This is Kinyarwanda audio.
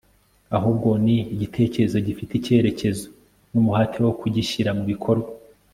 ahubwo ni igitekerezo gifite icyerekezo n'umuhate wo kugishyira mu bikorwa